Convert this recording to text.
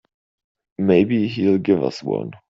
Maybe he'll give us one.